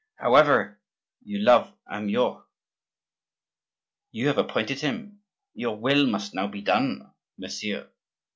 However, you love Amyot, you have appointed him; your will must now be done, monsieur.